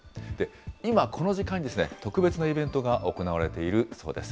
今、この時間に特別なイベントが行われているそうです。